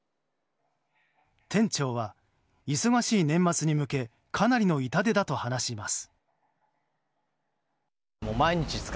店長は、忙しい年末に向けかなりの痛手だと話します。